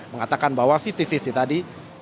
mengatakan bahwa lima puluh lima puluh tadi